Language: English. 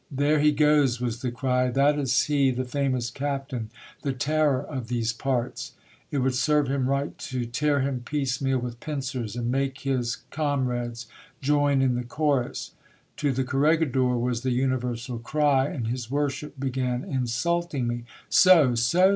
There he goes, was the cry ; that is he, the famous captain, the terror of these parts. It would serve him right to tear him piecemeal with pincers, and make his com rades join in the chorus. To the corregidor, was the universal cry ; and his worship began insulting me. So, so